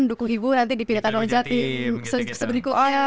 dukung ibu nanti di pilihan orang jati